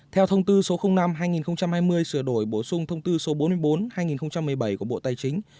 theo thông tư số năm hai nghìn hai mươi sửa đổi bổ sung thông tư số bốn mươi bốn hai nghìn một mươi bảy của bộ tài chính